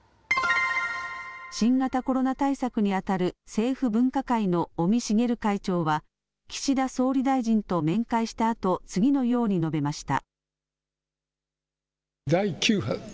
新型コロナ対策にあたる政府分科会の尾身茂会長は岸田総理大臣と面会したあと次のように述べました。